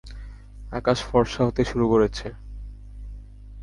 আকাশ ফরসা হতে শুরু করেছে।